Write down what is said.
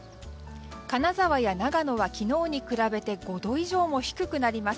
金沢や長野は昨日に比べて５度以上も低くなります。